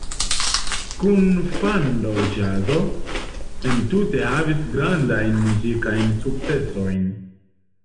Kunfando-ĵazo entute havis grandajn muzikajn sukcesojn.